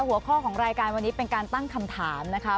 หัวข้อของรายการวันนี้เป็นการตั้งคำถามนะคะ